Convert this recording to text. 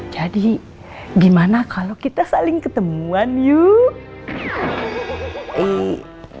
jadi gimana kalau kita saling ketemuan yuk